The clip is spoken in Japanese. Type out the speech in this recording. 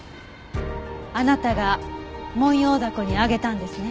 あなたがモンヨウダコにあげたんですね。